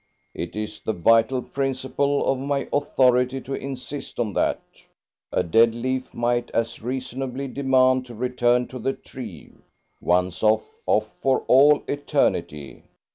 It is the vital principle of my authority to insist on that. A dead leaf might as reasonably demand to return to the tree. Once off, off for all eternity!